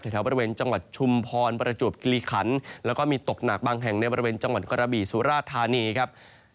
แถวบริเวณจังหวัดชุมพรประจวบกิริขันแล้วก็มีตกหนักบางแห่งในบริเวณจังหวัดกระบี่สุราธานีครับ